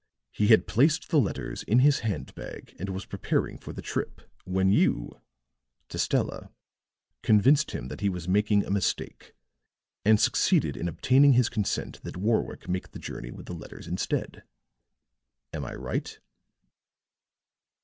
He had placed the letters in his hand bag and was preparing for the trip when you," to Stella, "convinced him that he was making a mistake, and succeeded in obtaining his consent that Warwick make the journey with the letters instead. Am I right?"